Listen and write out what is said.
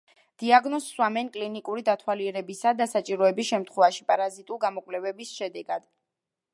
დიაგნოზს სვამენ კლინიკური დათვალიერებისა და, საჭიროების შემთხვევაში, პარაზიტული გამოკვლევის შედეგად.